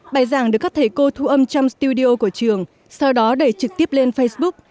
bài giảng được các thầy cô thu âm trong studio của trường sau đó đẩy trực tiếp lên facebook